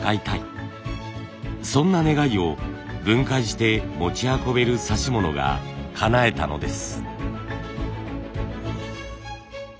そんな願いを分解して持ち運べる指物がかなえたのです。